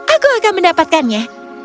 aku akan mendapatkannya